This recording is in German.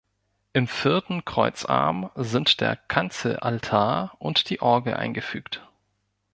Im vierten Kreuzarm sind der Kanzelaltar und die Orgel eingefügt.